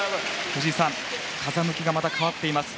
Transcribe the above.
藤井さん、風向きがまた変わっています。